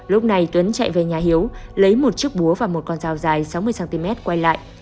lúc này tuấn chạy về nhà hiếu lấy một chiếc búa và một con dao dài sáu mươi cm quay lại